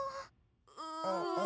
うん。